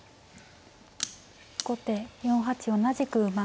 後手４八同じく馬。